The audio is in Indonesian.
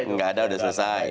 nggak ada udah selesai